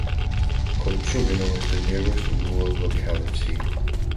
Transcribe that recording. Kolchugino is the nearest rural locality.